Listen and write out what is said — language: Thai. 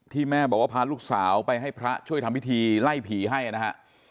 แม่บอกว่าพาลูกสาวไปให้พระช่วยทำพิธีไล่ผีให้นะฮะ